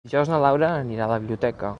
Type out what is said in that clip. Dijous na Laura anirà a la biblioteca.